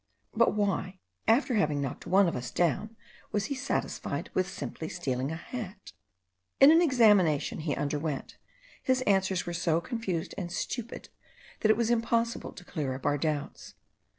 But why, after having knocked one of us down, was he satisfied with simply stealing a hat? In an examination he underwent, his answers were so confused and stupid, that it was impossible to clear up our doubts.